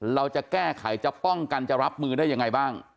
เราจะแก้ไขจะป้องกันจะรับมือได้ยังไงบ้าง